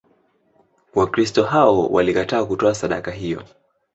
Wakristo hao walikataa kutoa sadaka hiyo.